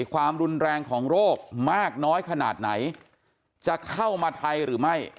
ความรุนแรงของโรคมากน้อยขนาดไหนจะเข้ามาไทยหรือไม่